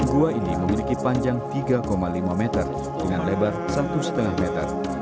gua ini memiliki panjang tiga lima meter dengan lebar satu lima meter